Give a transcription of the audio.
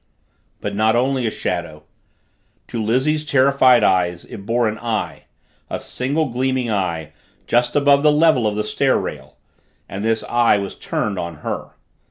But not only a shadow. To Lizzie's terrified eyes it bore an eye, a single gleaming eye, just above the level of the stair rail, and this eye was turned on her.